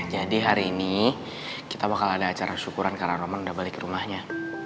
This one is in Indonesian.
jadi hari ini kita bakal ada acara syukuran karena roman udah balik rumahnya